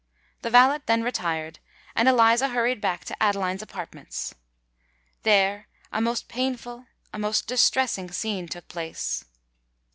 The valet then retired; and Eliza hurried back to Adeline's apartments. There a most painful—a most distressing scene took place.